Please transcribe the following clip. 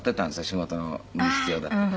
仕事に必要だったから。